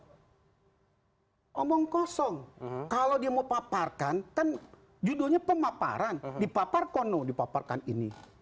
hai omong kosong kalau dia mau paparkan ten judulnya pemaparan dipaparkan oh dipaparkan ini